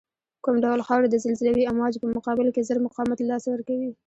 کوم ډول خاوره د زلزلوي امواجو په مقابل کې زر مقاومت له لاسه ورکوی